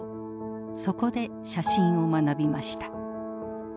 そこで写真を学びました。